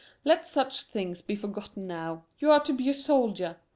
Let such things be forgotten now. You are to be a soldier I, a queen."